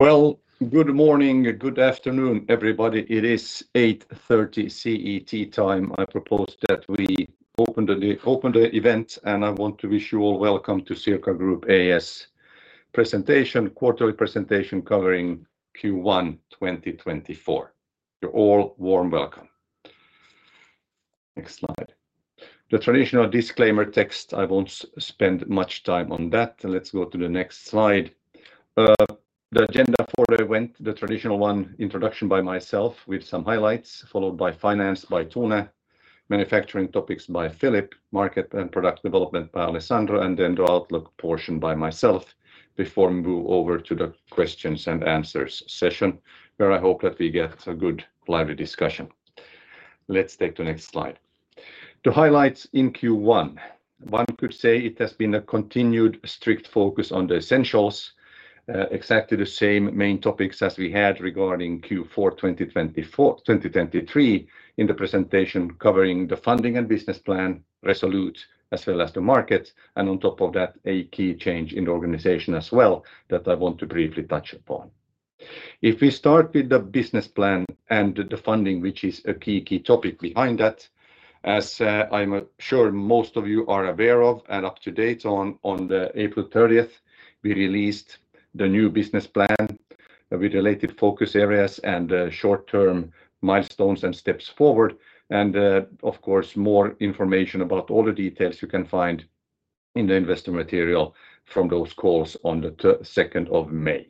Well, good morning and good afternoon, everybody. It is 8:30 CET. I propose that we open the event, and I want to wish you all welcome to Circa Group AS presentation, quarterly presentation covering Q1 2024. You're all warm welcome. Next slide. The traditional disclaimer text. I won't spend much time on that, and let's go to the next slide. The agenda for the event, the traditional one: introduction by myself with some highlights, followed by finance by Tone, manufacturing topics by Philipp, market and product development by Alessandro, and then the outlook portion by myself before we move over to the questions and answers session where I hope that we get a good lively discussion. Let's take the next slide. The highlights in Q1: one could say it has been a continued strict focus on the essentials, exactly the same main topics as we had regarding Q4 2024 2023 in the presentation covering the funding and business plan ReSolute as well as the market, and on top of that, a key change in the organization as well that I want to briefly touch upon. If we start with the business plan and the funding, which is a key key topic behind that, as I'm sure most of you are aware of and up to date on on the April 30th, we released the new business plan with related focus areas and short-term milestones and steps forward, and of course more information about all the details you can find in the investor material from those calls on the 2nd of May.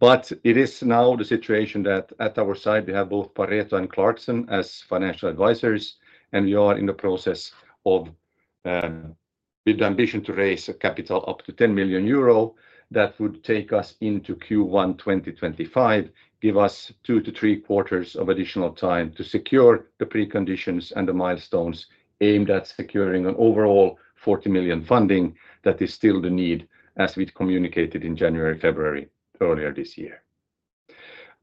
But it is now the situation that at our side we have both Pareto and Clarkson as financial advisors, and we are in the process of, with the ambition to raise a capital up to 10 million euro that would take us into Q1 2025, give us 2-3 quarters of additional time to secure the preconditions and the milestones aimed at securing an overall 40 million funding that is still the need as we communicated in January, February earlier this year.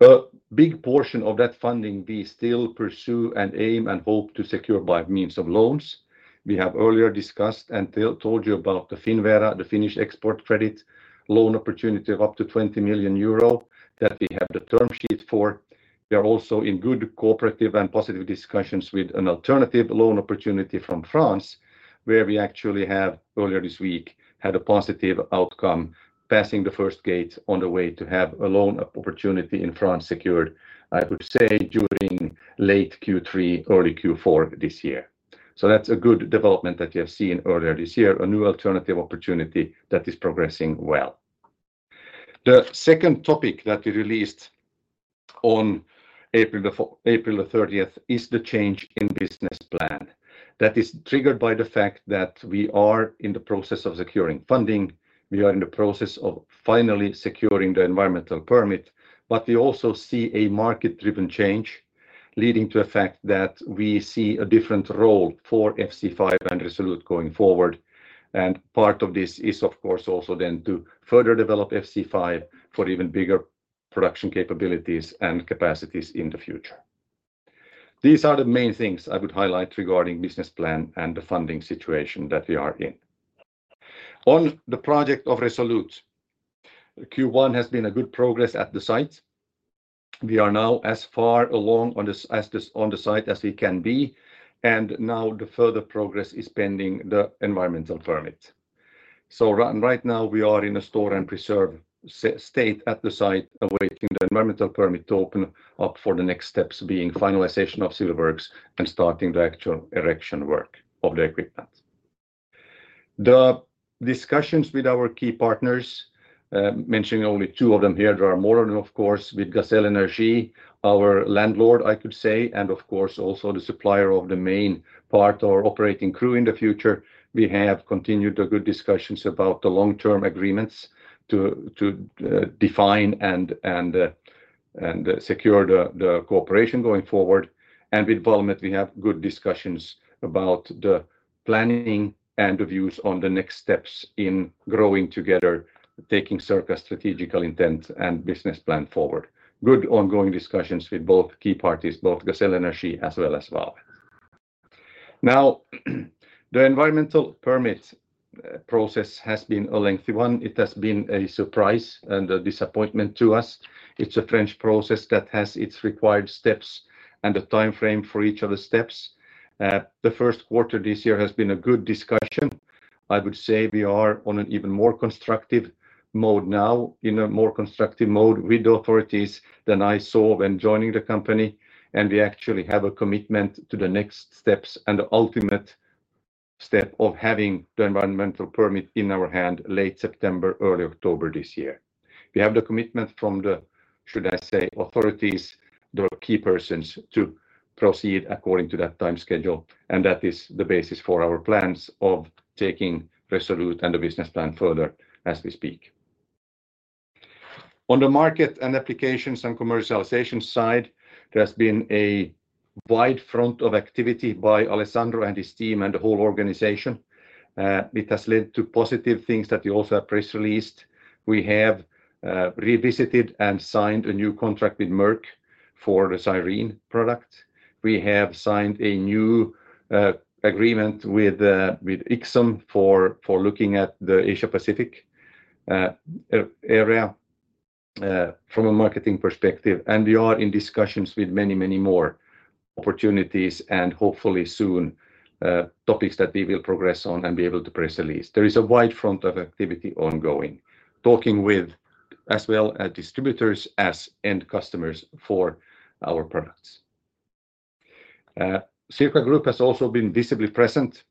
A big portion of that funding we still pursue and aim and hope to secure by means of loans. We have earlier discussed and told you about the Finnvera, the Finnish export credit loan opportunity of up to 20 million euro that we have the term sheet for. We are also in good cooperative and positive discussions with an alternative loan opportunity from France where we actually have earlier this week had a positive outcome passing the first gate on the way to have a loan opportunity in France secured, I would say during late Q3, early Q4 this year. So that's a good development that you have seen earlier this year, a new alternative opportunity that is progressing well. The second topic that we released on April 30 is the change in business plan that is triggered by the fact that we are in the process of securing funding. We are in the process of finally securing the environmental permit, but we also see a market-driven change leading to the fact that we see a different role for FC5 and ReSolute going forward. Part of this is, of course, also then to further develop FC5 for even bigger production capabilities and capacities in the future. These are the main things I would highlight regarding business plan and the funding situation that we are in. On the project of ReSolute, Q1 has been a good progress at the site. We are now as far along on the site as we can be, and now the further progress is pending the environmental permit. So right now we are in a store and preserve state at the site awaiting the environmental permit to open up for the next steps being finalization of civil works and starting the actual erection work of the equipment. The discussions with our key partners, mentioning only two of them here. There are more than, of course, with GazelEnergie, our landlord, I could say, and of course also the supplier of the main part or operating crew in the future. We have continued the good discussions about the long-term agreements to define and secure the cooperation going forward. And with Valmet, we have good discussions about the planning and the views on the next steps in growing together, taking Circa strategical intent and business plan forward. Good ongoing discussions with both key parties, both GazelEnergie as well as Valmet. Now the environmental permit process has been a lengthy one. It has been a surprise and a disappointment to us. It's a French process that has its required steps and the time frame for each of the steps. The first quarter this year has been a good discussion. I would say we are on an even more constructive mode now, in a more constructive mode with authorities than I saw when joining the company. We actually have a commitment to the next steps and the ultimate step of having the environmental permit in our hand late September, early October this year. We have the commitment from the, should I say, authorities, the key persons to proceed according to that time schedule, and that is the basis for our plans of taking Resolute and the business plan further as we speak. On the market and applications and commercialization side, there has been a wide front of activity by Alessandro and his team and the whole organization. It has led to positive things that you also have press released. We have revisited and signed a new contract with Merck for the Cyrene product. We have signed a new agreement with IXOM for looking at the Asia Pacific area, from a marketing perspective, and we are in discussions with many, many more opportunities and hopefully soon topics that we will progress on and be able to press release. There is a wide front of activity ongoing, talking with as well as distributors as end customers for our products. Circa Group has also been visibly present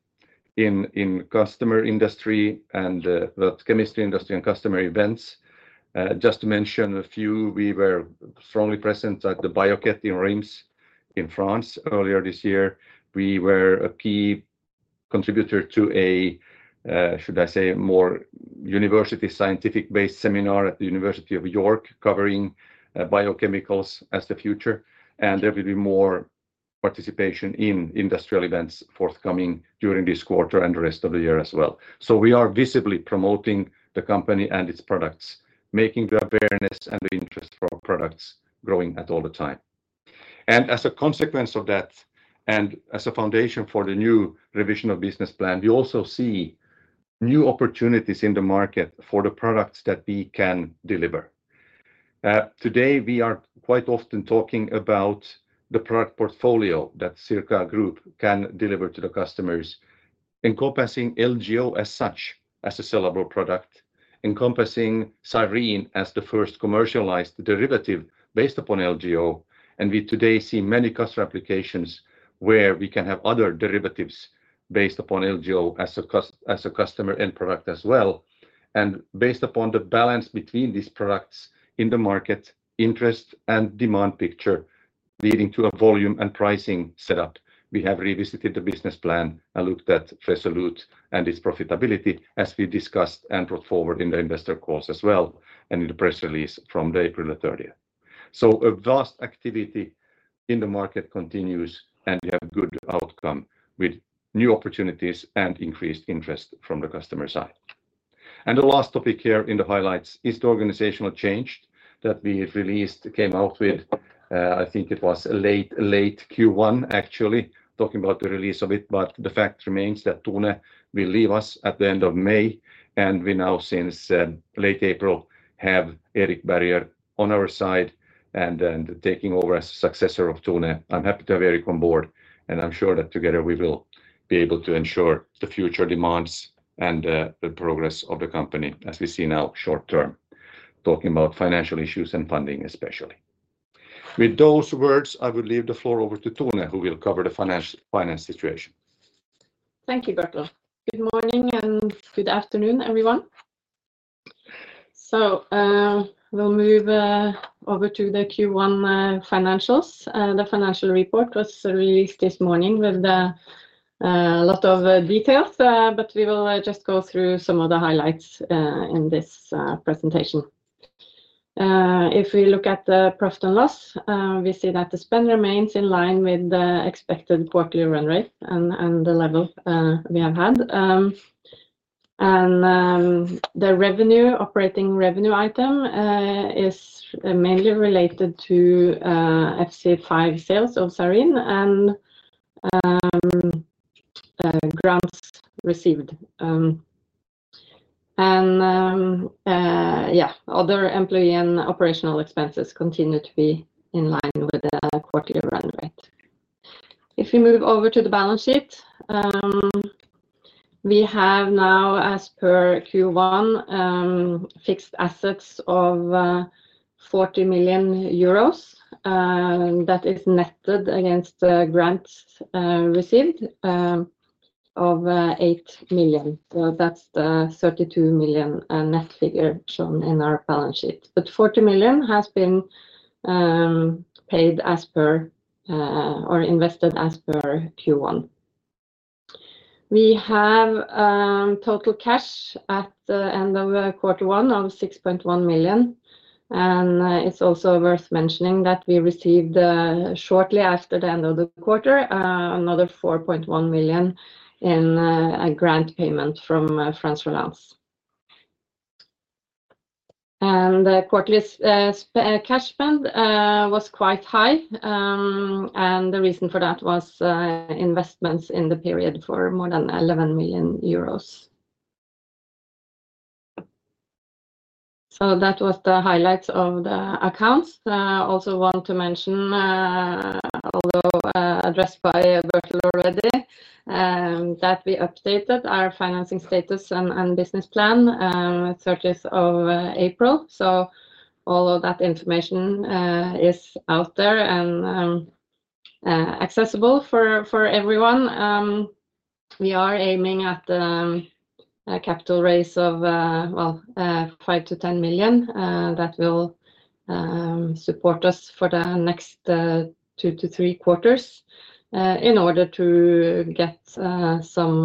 in customer industry and the chemistry industry and customer events. Just to mention a few, we were strongly present at the BioKet in Reims in France earlier this year. We were a key contributor to a, should I say, more university scientific based seminar at the University of York covering biochemicals as the future, and there will be more participation in industrial events forthcoming during this quarter and the rest of the year as well. So we are visibly promoting the company and its products, making the awareness and the interest for products growing at all the time. As a consequence of that and as a foundation for the new revision of business plan, we also see new opportunities in the market for the products that we can deliver. Today we are quite often talking about the product portfolio that Circa Group can deliver to the customers, encompassing LGO as such as a sellable product, encompassing Cyrene™ as the first commercialized derivative based upon LGO. We today see many customer applications where we can have other derivatives based upon LGO as a customer as a customer end product as well. And based upon the balance between these products in the market interest and demand picture leading to a volume and pricing setup, we have revisited the business plan and looked at Resolute and its profitability as we discussed and brought forward in the investor calls as well and in the press release from April 30th. So a vast activity in the market continues, and we have good outcome with new opportunities and increased interest from the customer side. And the last topic here in the highlights is the organizational change that we released came out with. I think it was late, late Q1 actually talking about the release of it, but the fact remains that Tune will leave us at the end of May, and we now since late April have Erik Berger on our side and taking over as a successor of Tune. I'm happy to have Erik on board, and I'm sure that together we will be able to ensure the future demands and the progress of the company as we see now short term, talking about financial issues and funding especially. With those words, I would leave the floor over to Tune who will cover the financial finance situation. Thank you, Bertel. Good morning and good afternoon, everyone. So, we'll move over to the Q1 financials. The financial report was released this morning with a lot of details, but we will just go through some of the highlights in this presentation. If we look at the profit and loss, we see that the spend remains in line with the expected quarterly run rate and and the level we have had. And the revenue operating revenue item is mainly related to FC5 sales of Cyrene™ and grants received. And yeah, other employee and operational expenses continue to be in line with the quarterly run rate. If we move over to the balance sheet, we have now as per Q1 fixed assets of 40 million euros. That is netted against the grants received of 8 million. So that's the 32 million net figure shown in our balance sheet, but 40 million has been paid as per, or invested as per Q1. We have total cash at the end of quarter one of 6.1 million. And it's also worth mentioning that we received shortly after the end of the quarter another 4.1 million in a grant payment from France Relance. And the quarterly cash spend was quite high, and the reason for that was investments in the period for more than 11 million euros. So that was the highlights of the accounts. Also want to mention, although addressed by Bertel already, that we updated our financing status and business plan, 30th of April. So all of that information is out there and accessible for everyone. We are aiming at a capital raise of, well, 5 million-10 million that will support us for the next 2-3 quarters, in order to get some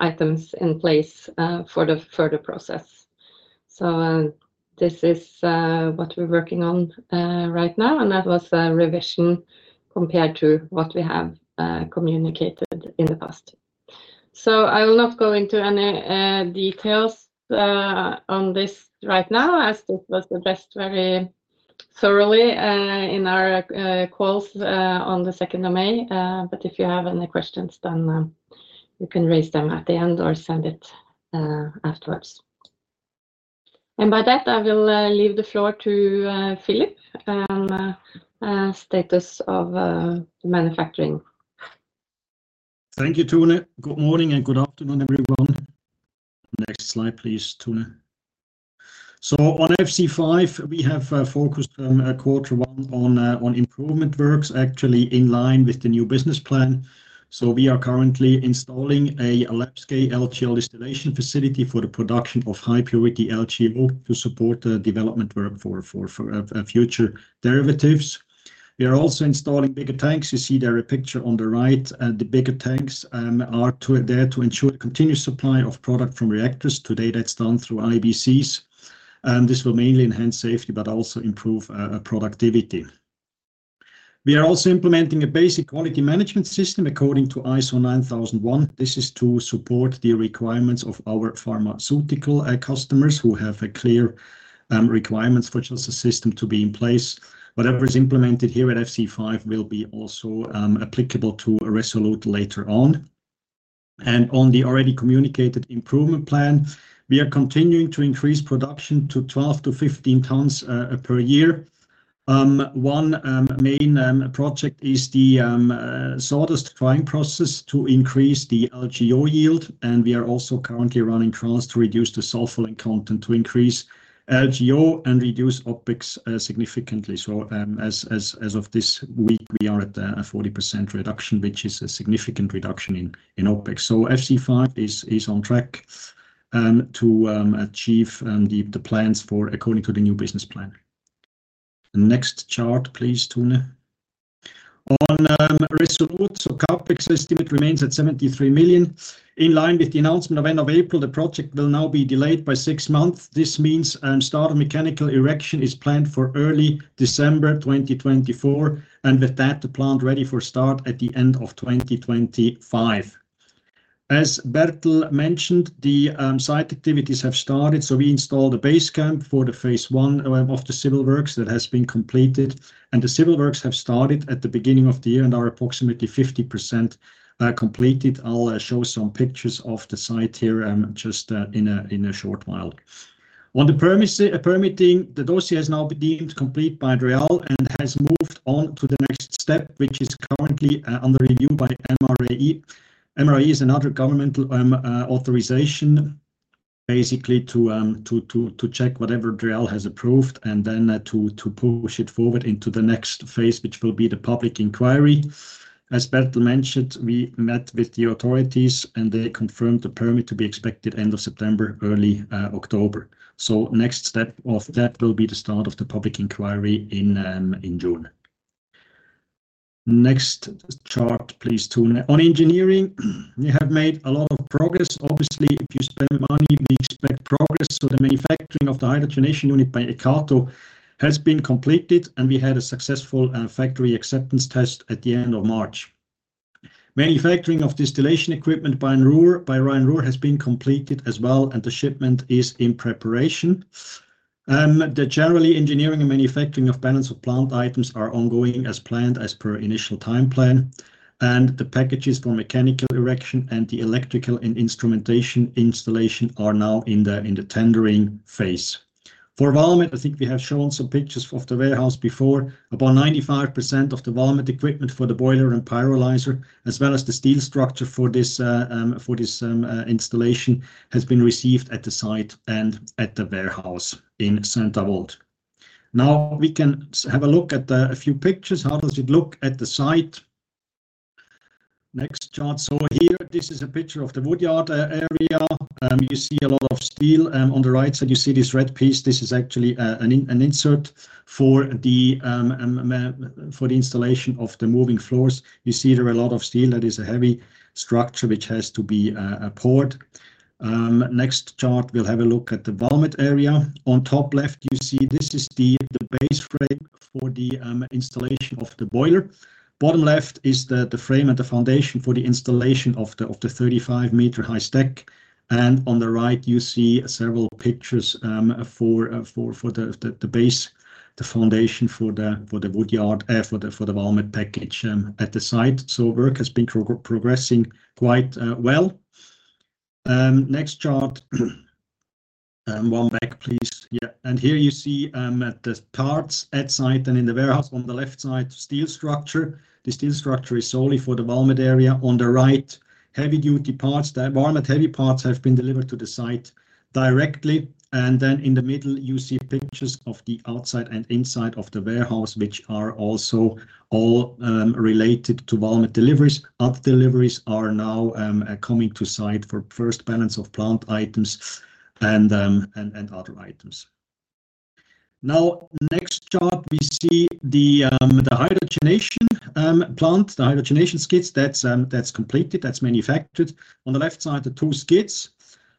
items in place for the further process. So, this is what we're working on right now, and that was a revision compared to what we have communicated in the past. So I will not go into any details on this right now as it was addressed very thoroughly in our calls on the 2nd of May. But if you have any questions, then you can raise them at the end or send it afterwards. And by that, I will leave the floor to Philipp and status of the manufacturing. Thank you, Tune. Good morning and good afternoon, everyone. Next slide, please, Tune. So on FC5, we have focused quarter one on improvement works actually in line with the new business plan. So we are currently installing a lab-scale LGO distillation facility for the production of high purity LGO to support the development work for future derivatives. We are also installing bigger tanks. You see there a picture on the right. The bigger tanks are there to ensure a continuous supply of product from reactors. Today, that's done through IBCs. And this will mainly enhance safety, but also improve productivity. We are also implementing a basic quality management system according to ISO 9001. This is to support the requirements of our pharmaceutical customers who have clear requirements for just a system to be in place. Whatever is implemented here at FC5 will be also applicable to Resolute later on. On the already communicated improvement plan, we are continuing to increase production to 12-15 tons per year. One main project is the sawdust drying process to increase the LGO yield. And we are also currently running trials to reduce the sulfur content, to increase LGO and reduce OPEX significantly. So as of this week, we are at a 40% reduction, which is a significant reduction in OPEX. So FC5 is on track to achieve the plans according to the new business plan. Next chart, please, Tune. On Resolute, so CAPEX estimate remains at 73 million. In line with the announcement of end of April, the project will now be delayed by six months. This means start of mechanical erection is planned for early December 2024, and with that, the plant ready for start at the end of 2025. As Bertel mentioned, the site activities have started. So we installed a base camp for the phase one of the civil works that has been completed. And the civil works have started at the beginning of the year and are approximately 50% completed. I'll show some pictures of the site here just in a short while. On the permitting, the dossier has now been deemed complete by DREAL and has moved on to the next step, which is currently under review by MRAE. MRAE is another governmental authorization, basically to check whatever DREAL has approved and then to push it forward into the next phase, which will be the public inquiry. As Bertel mentioned, we met with the authorities and they confirmed the permit to be expected end of September, early October. So next step of that will be the start of the public inquiry in June. Next chart, please, Tune. On engineering, we have made a lot of progress. Obviously, if you spend money, we expect progress. So the manufacturing of the hydrogenation unit by EKATO has been completed, and we had a successful factory acceptance test at the end of March. Manufacturing of distillation equipment by Rhein-Ruhr has been completed as well, and the shipment is in preparation. Generally, engineering and manufacturing of balance of plant items are ongoing as planned, as per initial time plan. The packages for mechanical erection and the electrical and instrumentation installation are now in the tendering phase. For Valmet, I think we have shown some pictures of the warehouse before. About 95% of the Valmet equipment for the boiler and Pyrolyzer, as well as the steel structure for this installation, has been received at the site and at the warehouse in Saint-Avold. Now we can have a look at a few pictures. How does it look at the site? Next chart. So here, this is a picture of the woodyard area. You see a lot of steel. On the right side, you see this red piece. This is actually an insert for the installation of the moving floors. You see there are a lot of steel. That is a heavy structure which has to be poured. Next chart, we'll have a look at the Valmet area. On top left, you see this is the base frame for the installation of the boiler. Bottom left is the frame and the foundation for the installation of the 35-meter-high stack. And on the right, you see several pictures for the base, the foundation for the woodyard, for the Valmet package at the site. So work has been progressing quite well. Next chart. One back, please. Yeah. And here you see the parts at site and in the warehouse on the left side, steel structure. The steel structure is solely for the Valmet area. On the right, heavy-duty parts. The Valmet heavy parts have been delivered to the site directly. And then in the middle, you see pictures of the outside and inside of the warehouse, which are also all related to Valmet deliveries. Other deliveries are now coming to site for first balance of plant items and other items. Now, next chart, we see the hydrogenation plant, the hydrogenation skids. That's completed. That's manufactured. On the left side, the two skids,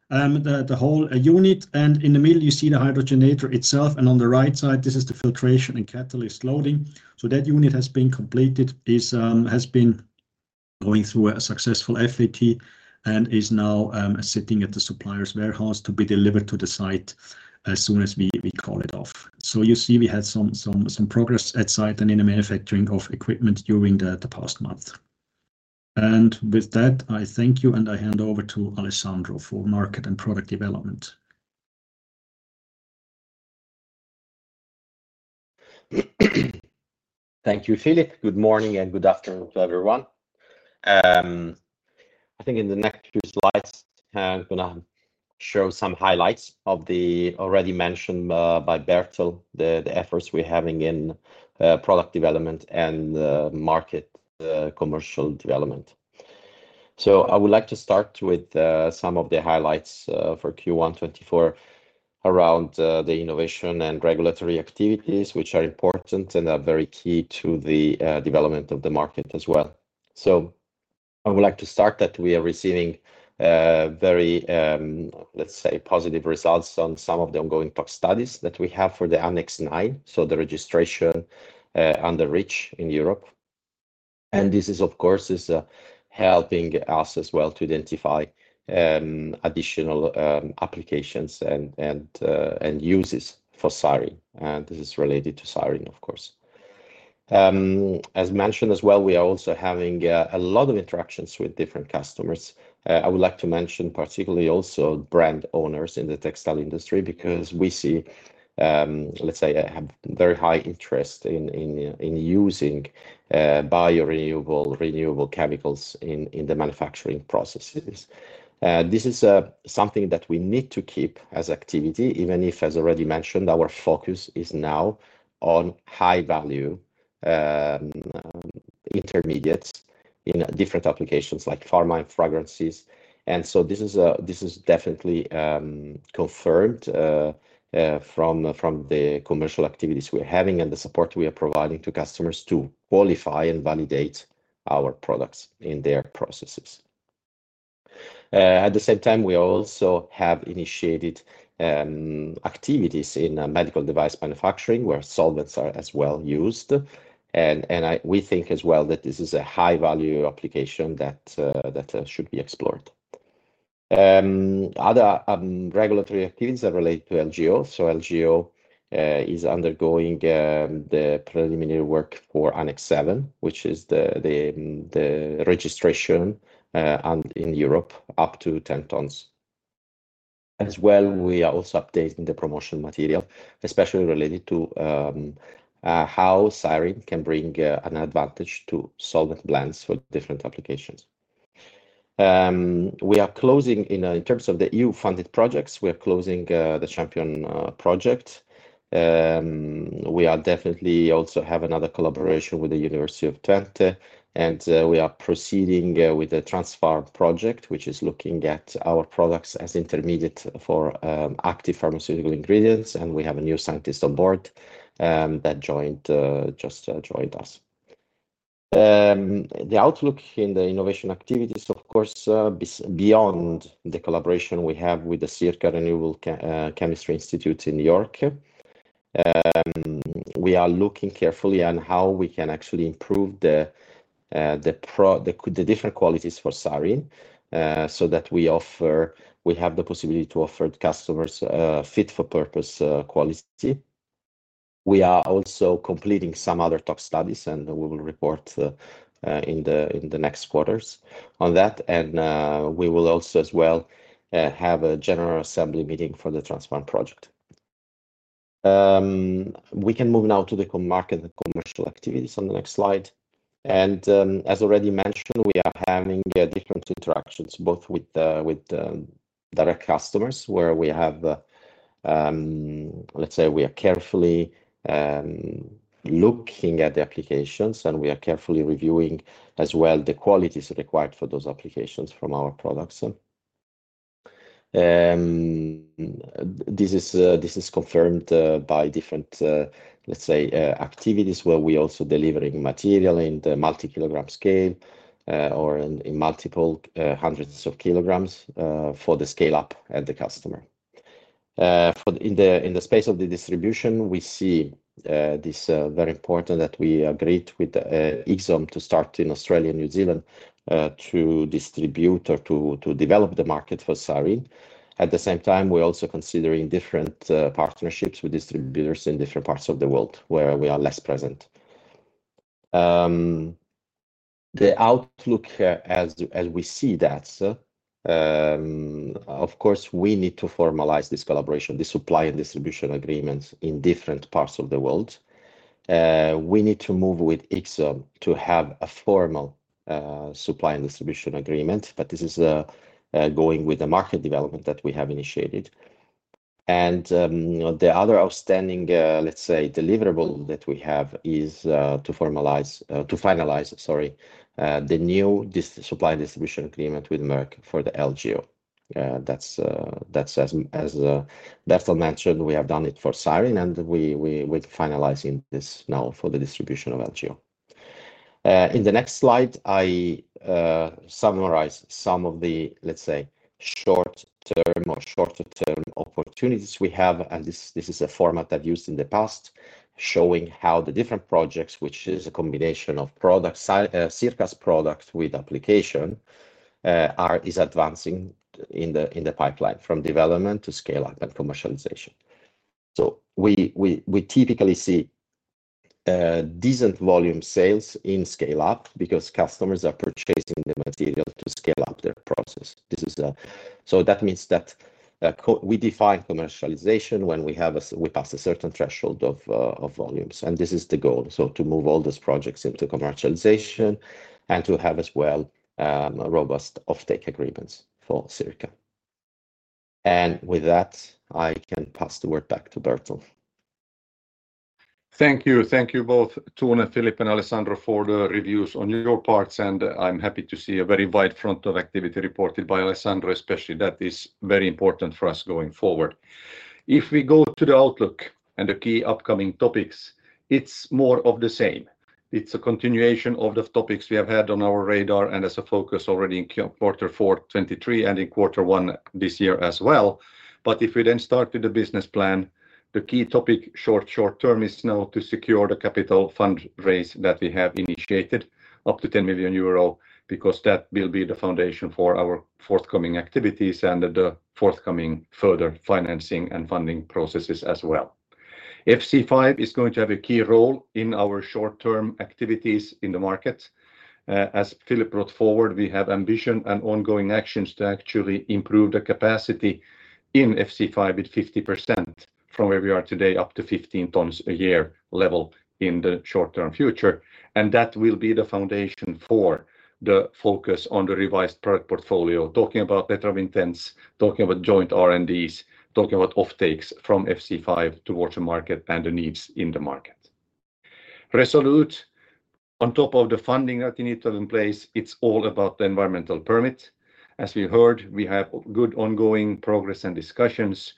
the whole unit. And in the middle, you see the hydrogenator itself. And on the right side, this is the filtration and catalyst loading. So that unit has been completed, has been going through a successful FAT and is now sitting at the supplier's warehouse to be delivered to the site as soon as we call it off. So you see we had some progress at site and in the manufacturing of equipment during the past month. And with that, I thank you and I hand over to Alessandro for market and product development. Thank you, Philipp. Good morning and good afternoon to everyone. I think in the next few slides, I'm going to show some highlights of the already mentioned by Bertel, the efforts we're having in product development and market commercial development. So I would like to start with some of the highlights for Q124 around the innovation and regulatory activities, which are important and are very key to the development of the market as well. So I would like to start that we are receiving very, let's say, positive results on some of the ongoing PAC studies that we have for the Annex IX, so the registration under REACH in Europe. And this is, of course, helping us as well to identify additional applications and uses for Cyrene. And this is related to Cyrene, of course. As mentioned as well, we are also having a lot of interactions with different customers. I would like to mention particularly also brand owners in the textile industry because we see, let's say, have very high interest in using bio-renewable, renewable chemicals in the manufacturing processes. This is something that we need to keep as activity, even if, as already mentioned, our focus is now on high-value intermediates in different applications like pharma and fragrances. And so this is definitely confirmed from the commercial activities we are having and the support we are providing to customers to qualify and validate our products in their processes. At the same time, we also have initiated activities in medical device manufacturing where solvents are as well used. And we think as well that this is a high-value application that should be explored. Other regulatory activities are related to LGO. So LGO is undergoing the preliminary work for Annex VII, which is the registration in Europe up to 10 tons. As well, we are also updating the promotional material, especially related to how Cyrene™ can bring an advantage to solvent blends for different applications. We are closing in terms of the EU-funded projects, we are closing the CHAMPION project. We are definitely also have another collaboration with the University of Twente. And we are proceeding with the TRANSFARM project, which is looking at our products as intermediate for active pharmaceutical ingredients. And we have a new scientist on board that just joined us. The outlook in the innovation activities, of course, beyond the collaboration we have with the Circa Renewable Chemistry Institute in New York, we are looking carefully on how we can actually improve the different qualities for Cyrene so that we offer we have the possibility to offer customers fit-for-purpose quality. We are also completing some other PAC studies and we will report in the next quarters on that. And we will also as well have a general assembly meeting for the TRANSFARM project. We can move now to the market and commercial activities on the next slide. And as already mentioned, we are having different interactions both with direct customers where we have, let's say, we are carefully looking at the applications and we are carefully reviewing as well the qualities required for those applications from our products. This is confirmed by different, let's say, activities where we also delivering material in the multi-kilogram scale or in multiple hundreds of kilograms for the scale-up at the customer. For in the space of the distribution, we see this very important that we agreed with IXOM to start in Australia and New Zealand to distribute or to develop the market for Cyrene. At the same time, we're also considering different partnerships with distributors in different parts of the world where we are less present. The outlook as we see that, of course, we need to formalize this collaboration, the supply and distribution agreements in different parts of the world. We need to move with IXOM to have a formal supply and distribution agreement. But this is going with the market development that we have initiated. And the other outstanding, let's say, deliverable that we have is to finalize, sorry, the new supply and distribution agreement with Merck for the LGO. That's as Bertel mentioned, we have done it for Cyrene and we're finalizing this now for the distribution of LGO. In the next slide, I summarize some of the, let's say, short-term or shorter-term opportunities we have. And this is a format I've used in the past showing how the different projects, which is a combination of products, Circa's product with application, are advancing in the pipeline from development to scale-up and commercialization. So we typically see decent volume sales in scale-up because customers are purchasing the material to scale up their process. This is so that means that we define commercialization when we pass a certain threshold of volumes. And this is the goal. So to move all those projects into commercialization and to have as well robust offtake agreements for Circa. And with that, I can pass the word back to Bertel. Thank you. Thank you both, Tune, Philipp, and Alessandro, for the reviews on your parts. I'm happy to see a very wide front of activity reported by Alessandro, especially. That is very important for us going forward. If we go to the outlook and the key upcoming topics, it's more of the same. It's a continuation of the topics we have had on our radar and as a focus already in quarter four 2023 and in quarter one this year as well. If we then start with the business plan, the key topic short-term is now to secure the capital fundraise that we have initiated up to 10 million euro because that will be the foundation for our forthcoming activities and the forthcoming further financing and funding processes as well. FC5 is going to have a key role in our short-term activities in the market. As Philipp brought forward, we have ambition and ongoing actions to actually improve the capacity in FC5 with 50% from where we are today up to 15 tons a year level in the short-term future. That will be the foundation for the focus on the revised product portfolio, talking about letter of intents, talking about joint R&Ds, talking about offtakes from FC5 towards the market and the needs in the market. ReSolute, on top of the funding that you need to have in place, it's all about the environmental permit. As we heard, we have good ongoing progress and discussions.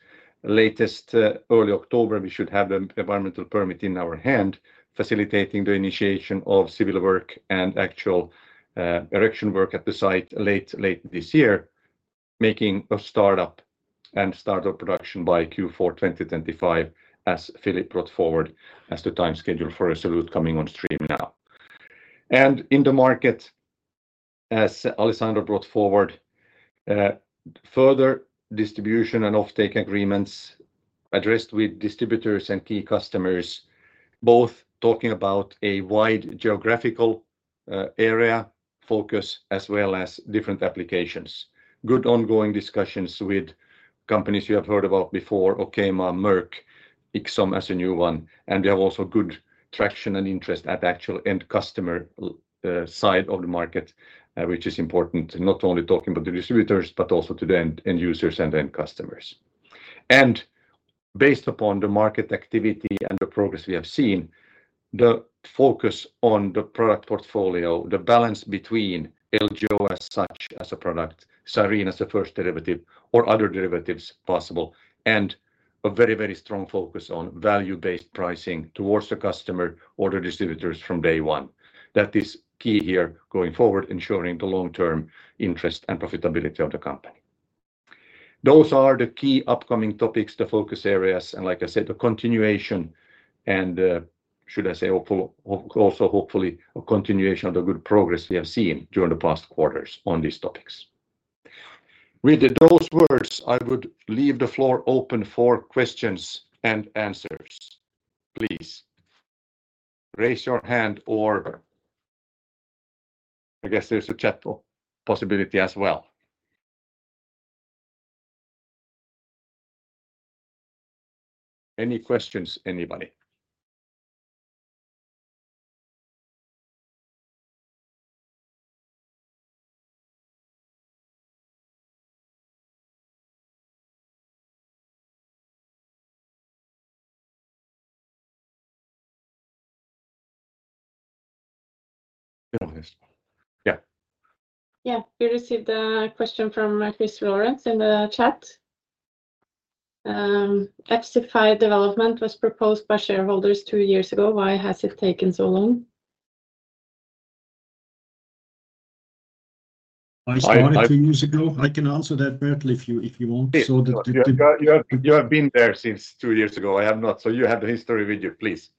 Latest early October, we should have the environmental permit in our hand, facilitating the initiation of civil work and actual erection work at the site late late this year, making a startup and startup production by Q4 2025 as Philipp brought forward as the time schedule for ReSolute coming on stream now. And in the market, as Alessandro brought forward, further distribution and offtake agreements addressed with distributors and key customers, both talking about a wide geographical area focus as well as different applications. Good ongoing discussions with companies you have heard about before: Oqema, Merck, IXOM as a new one. And we have also good traction and interest at actual end customer side of the market, which is important, not only talking about the distributors, but also to the end end users and end customers. And based upon the market activity and the progress we have seen, the focus on the product portfolio, the balance between LGO as such as a product, Cyrene as a first derivative or other derivatives possible, and a very, very strong focus on value-based pricing towards the customer or the distributors from day one. That is key here going forward, ensuring the long-term interest and profitability of the company. Those are the key upcoming topics, the focus areas. And like I said, the continuation and should I say hopefully also hopefully a repetition of the good progress we have seen during the past quarters on these topics. With those words, I would leave the floor open for questions and answers, please. Raise your hand or I guess there's a chat possibility as well. Any questions, anybody? Yeah, yes. Yeah. Yeah. We received a question from Chris Lawrence in the chat. FC5 development was proposed by shareholders two years ago. Why has it taken so long? I started two years ago. I can answer that, Bertel, if you want. So the the the. You have been there since 2 years ago. I have not. So you have the history with you, please.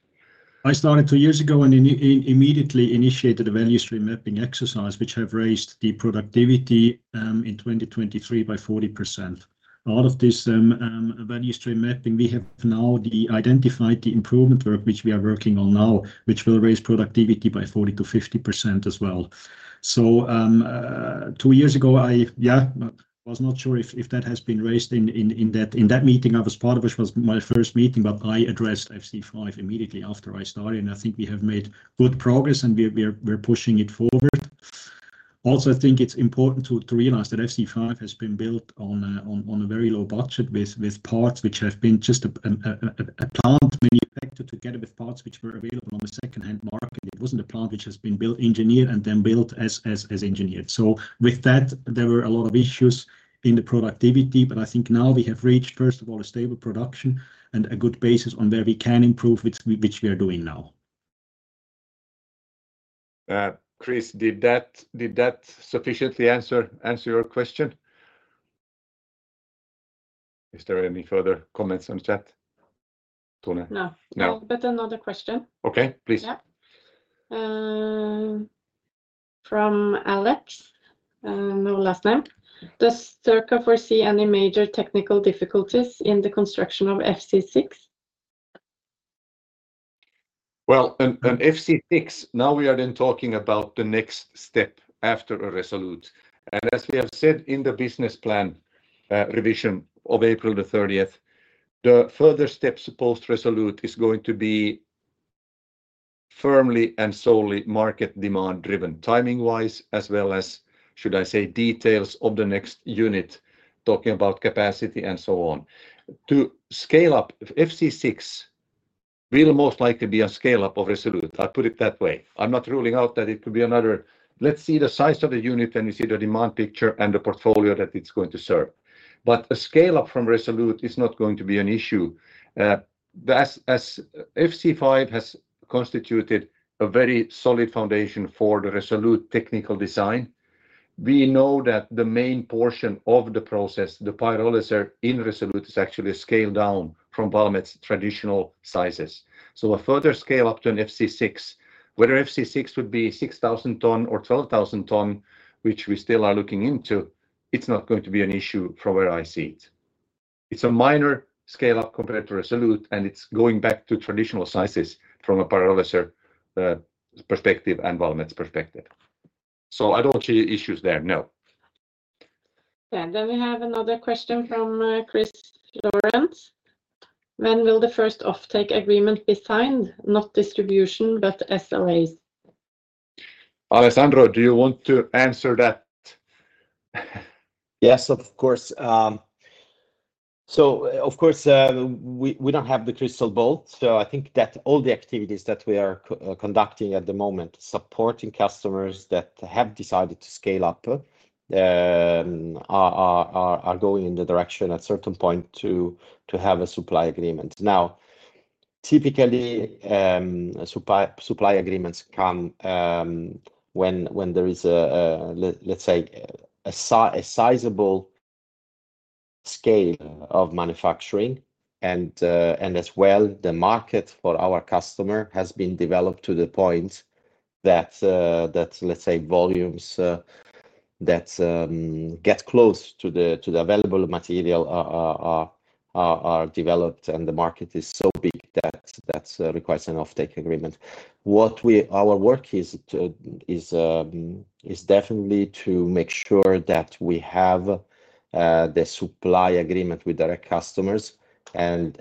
I started two years ago and immediately initiated a value stream mapping exercise, which have raised the productivity in 2023 by 40%. Out of this value stream mapping, we have now identified the improvement work, which we are working on now, which will raise productivity by 40%-50% as well. So two years ago, I was not sure if that has been raised in that meeting I was part of, which was my first meeting, but I addressed FC5 immediately after I started. And I think we have made good progress and we're pushing it forward. Also, I think it's important to realize that FC5 has been built on a very low budget with parts which have been just a plant manufactured together with parts which were available on the second-hand market. It wasn't a plant which has been built, engineered, and then built as engineered. So with that, there were a lot of issues in the productivity. But I think now we have reached, first of all, a stable production and a good basis on where we can improve, which we are doing now. Chris, did that sufficiently answer your question? Is there any further comments on the chat? Tune? No. No. But another question. Okay, please. Yeah. From Alex, no last name. Does Circa foresee any major technical difficulties in the construction of FC6? Well, an FC6 now we are then talking about the next step after a ReSolute. And as we have said in the business plan revision of April the 30th, the further steps post ReSolute is going to be firmly and solely market demand driven timing-wise, as well as should I say details of the next unit, talking about capacity and so on. To scale up FC6 will most likely be a scale-up of ReSolute. I put it that way. I'm not ruling out that it could be another let's see the size of the unit and we see the demand picture and the portfolio that it's going to serve. But a scale-up from ReSolute is not going to be an issue. As FC5 has constituted a very solid foundation for the ReSolute technical design, we know that the main portion of the process, the pyrolyzer in ReSolute, is actually scaled down from Valmet's traditional sizes. So a further scale up to an FC6, whether FC6 would be 6,000 ton or 12,000 ton, which we still are looking into, it's not going to be an issue from where I see it. It's a minor scale-up compared to ReSolute and it's going back to traditional sizes from a pyrolyzer perspective and Valmet's perspective. So I don't see issues there, no. Yeah. Then we have another question from Chris Lawrence. When will the first offtake agreement be signed, not distribution but SLAs? Alessandro, do you want to answer that? Yes, of course. So of course, we don't have the crystal ball. So I think that all the activities that we are conducting at the moment supporting customers that have decided to scale up are going in the direction at certain point to have a supply agreement. Now, typically, supply agreements come when there is a, let's say, a sizable scale of manufacturing and as well the market for our customer has been developed to the point that, let's say, volumes that get close to the available material are developed and the market is so big that requires an offtake agreement. What our work is is definitely to make sure that we have the supply agreement with direct customers and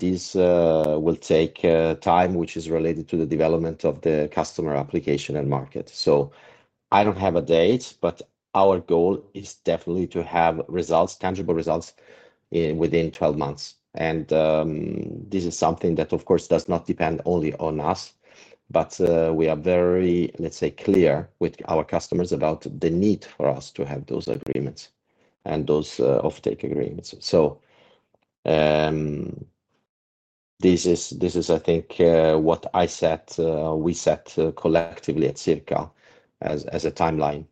this will take time, which is related to the development of the customer application and market. So I don't have a date, but our goal is definitely to have results, tangible results within 12 months. And this is something that, of course, does not depend only on us, but we are very, let's say, clear with our customers about the need for us to have those agreements and those offtake agreements. So this is, I think, what we set collectively at Circa as a timeline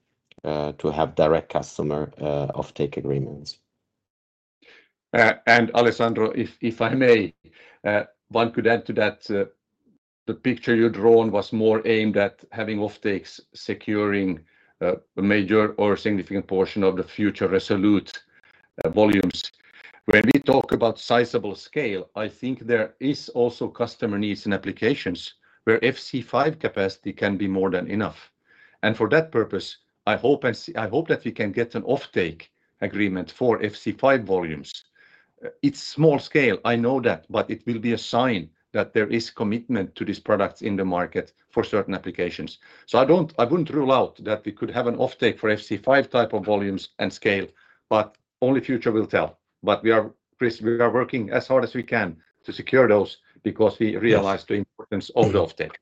to have direct customer offtake agreements. And Alessandro, if I may, one could add to that the picture you drawn was more aimed at having offtakes securing a major or significant portion of the future ReSolute volumes. When we talk about sizable scale, I think there is also customer needs and applications where FC5 capacity can be more than enough. And for that purpose, I hope that we can get an offtake agreement for FC5 volumes. It's small scale. I know that, but it will be a sign that there is commitment to these products in the market for certain applications. So I wouldn't rule out that we could have an offtake for FC5 type of volumes and scale, but only future will tell. But we are, Chris, we are working as hard as we can to secure those because we realize the importance of the offtake.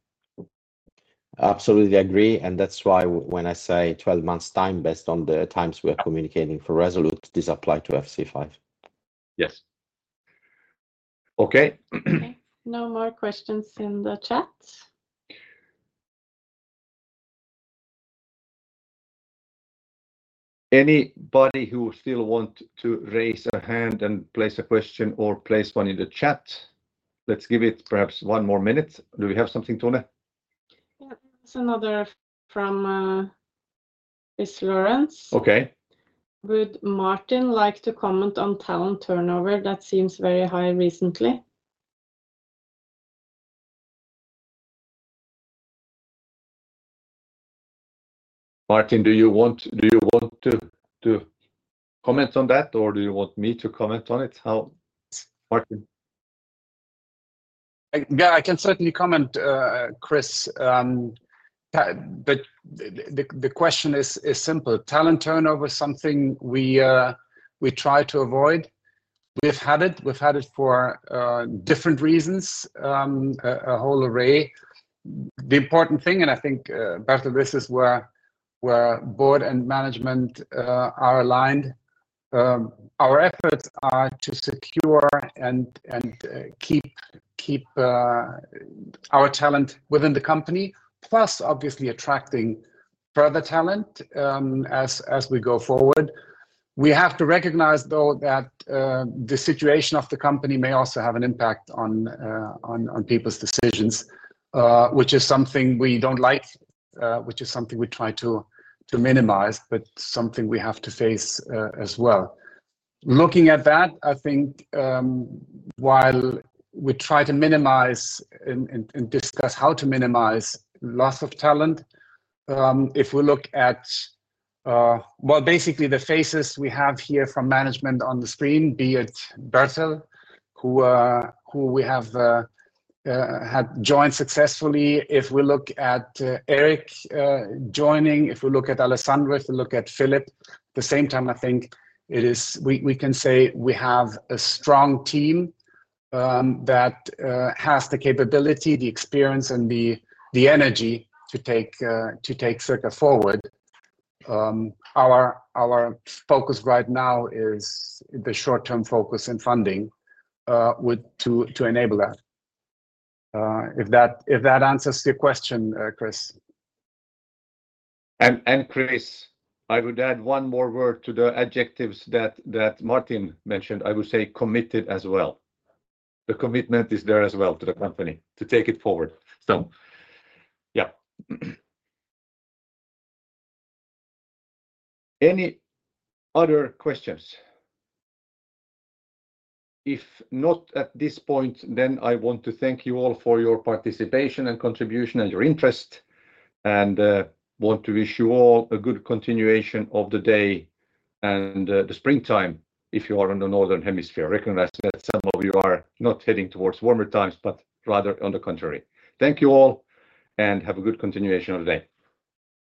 Absolutely agree. That's why when I say 12 months time based on the times we are communicating for ReSolute, this applies to FC5. Yes. Okay. Okay. No more questions in the chat. Anybody who still want to raise a hand and place a question or place one in the chat? Let's give it perhaps one more minute. Do we have something, Tune? Yeah. There's another from Miss Lawrence. Okay. Would Martin like to comment on talent turnover? That seems very high recently. Martin, do you want to comment on that or do you want me to comment on it? How, Martin? Yeah, I can certainly comment, Chris. But the question is simple. Talent turnover is something we try to avoid. We've had it. We've had it for different reasons, a whole array. The important thing, and I think, Bertel, this is where board and management are aligned. Our efforts are to secure and keep our talent within the company, plus obviously attracting further talent as we go forward. We have to recognize, though, that the situation of the company may also have an impact on people's decisions, which is something we don't like, which is something we try to minimize, but something we have to face as well. Looking at that, I think while we try to minimize and discuss how to minimize loss of talent, if we look at, well, basically the faces we have here from management on the screen, be it Bertel, who we have had joined successfully. If we look at Erik joining, if we look at Alessandro, if we look at Philipp, the same time, I think it is we can say we have a strong team that has the capability, the experience, and the energy to take Circa forward. Our focus right now is the short-term focus and funding would to enable that. If that answers your question, Chris. And Chris, I would add one more word to the adjectives that Martin mentioned. I would say committed as well. The commitment is there as well to the company to take it forward. So yeah. Any other questions? If not at this point, then I want to thank you all for your participation and contribution and your interest and want to wish you all a good continuation of the day and the springtime if you are on the Northern Hemisphere. Recognize that some of you are not heading towards warmer times, but rather on the contrary. Thank you all and have a good continuation of the day.